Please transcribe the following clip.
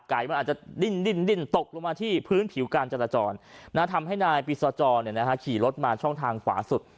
มันอาจจะดิ้นตกลงมาที่พื้นผิวการจราจรทำให้นายปิศจรขี่รถมาช่องทางขวาสุด